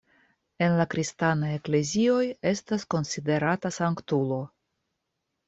En la kristanaj eklezioj estas konsiderata sanktulo.